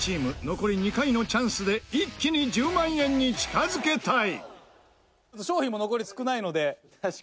残り２回のチャンスで一気に１０万円に近づけたい。